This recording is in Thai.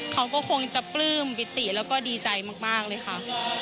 เขาก็คงจะปลื้มปิติแล้วก็ดีใจมากเลยค่ะ